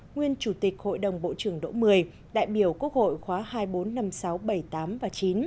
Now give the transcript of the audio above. nguyên chủ tịch hội đồng bộ trưởng đỗ một mươi đại biểu quốc hội khóa hai nghìn bốn trăm năm mươi sáu bảy mươi tám và chín